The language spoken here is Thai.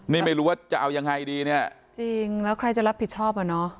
นี่ไม่รู้ว่าจะเอายังไงดีเนี่ยจริงแล้วใครจะรับผิดชอบอ่ะเนอะ